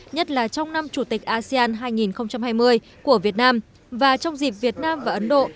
nhất là trong năm chủ tịch asean hai nghìn hai mươi của việt nam và trong dịp việt nam và ấn độ